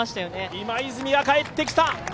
今泉が帰ってきた。